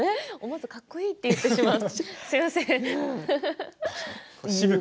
思わずかっこいいと言ってしまう。